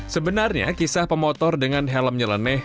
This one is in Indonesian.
sebenarnya kisah pemotor dengan helm nyeleneh